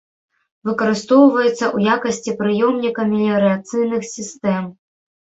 Выкарыстоўваецца ў якасці прыёмніка меліярацыйных сістэм.